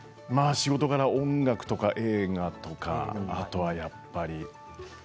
仕事柄音楽とか映画とか、あとやっぱり。